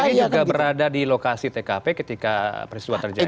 dan d juga berada di lokasi tkp ketika peristiwa terjadi